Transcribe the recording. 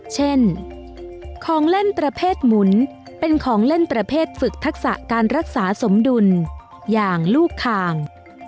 เช่นของเล่นประเภทหมุนเป็นของเล่นประเภทฝึกทักษะการรักษาสมดุลอย่างลูกคาง